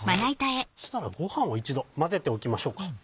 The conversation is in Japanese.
そしたらごはんを一度混ぜておきましょうか。